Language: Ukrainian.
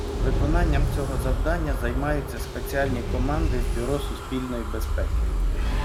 Виконанням цього завдання займаються спеціальні команди з Бюро Суспільної Безпеки.